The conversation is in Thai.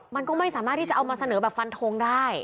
มันก็ไม่สามารถที่จะเอามาเสนอแบบฟันทงได้